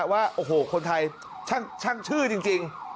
ว่าโอ้โหคนไทยช่างชื่อจริง